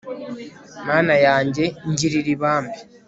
mana yanjye, ngirira ibambe